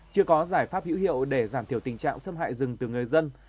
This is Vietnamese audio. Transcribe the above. chưa có giải pháp hữu hiệu để giảm thiểu tình trạng xâm hại rừng từ người dân